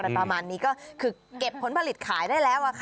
ไปอะไรประมาณนี้ก็ก็คือเก็บผลผลิตขายได้แล้ว